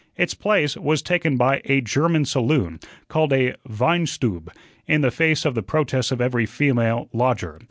Its place was taken by a German saloon, called a "Wein Stube," in the face of the protests of every female lodger.